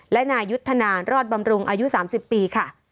และนายุทธนารอดบำรุงอายุ๓๐ปีค่ะ